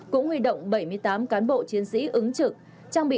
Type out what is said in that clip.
cũng huy động bảy mươi tám cán bộ chiến sĩ ứng trực